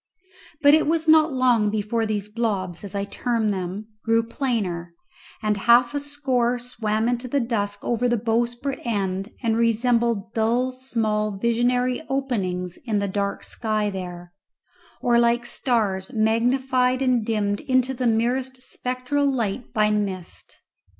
But it was not long before these blobs, as I term them, grew plainer, and half a score swam into the dusk over the bowsprit end, and resembled dull small visionary openings in the dark sky there, or like stars magnified and dimmed into the merest spectral light by mist.